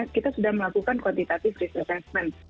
kita sudah melakukan kuantitatif risk assessment